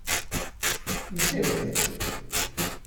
Nteg-t.